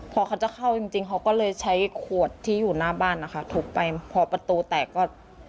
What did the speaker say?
พอเขาจะเข้าจริงจริงเขาก็เลยใช้ขวดที่อยู่หน้าบ้านนะคะทุบไปพอประตูแตกก็